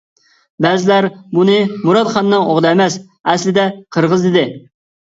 بەزىلەر بۇنى مۇراد خاننىڭ ئوغلى ئەمەس، ئەسلىدە قىرغىز ئىدى.